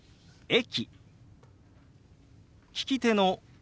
「駅」。